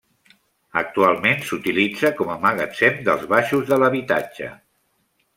Actualment s'utilitza com magatzem dels baixos de l'habitatge.